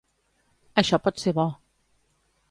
Això pot ser bo.